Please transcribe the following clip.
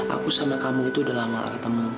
aku sama kamu itu udah lama gak ketemu